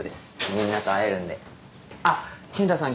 みんなと会えるんであっケンタさん